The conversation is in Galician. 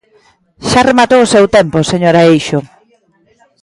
Xa rematou o seu tempo, señora Eixo.